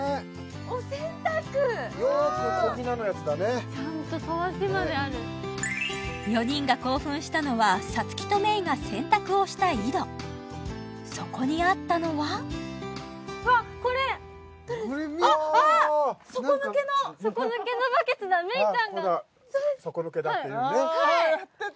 これね「よーくこぎな」のやつだねちゃんとたわしまである４人が興奮したのはサツキとメイが洗濯をした井戸そこにあったのはあっあっ底抜けのああメイちゃんが「底抜けだ」っていうねああやってた！